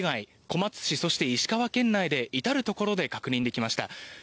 小松市、そして石川県内至るところで確認できました。